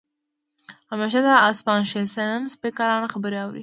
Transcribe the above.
همېشه د انسپارېشنل سپيکرانو خبرې اورئ